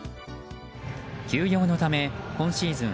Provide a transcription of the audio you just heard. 休養のため今シーズン